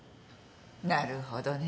なるほどね。